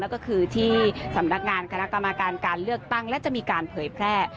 แล้วก็คือที่สำนักงานคณะกรรมการการเลือกตั้งและจะมีการเผยแพร่